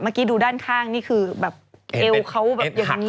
เมื่อกี้ดูด้านข้างนี่คือแบบเอวเขาแบบอย่างนี้